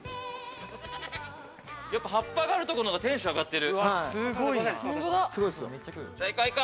やっぱ葉っぱがあるところのほうがテンション上がってる。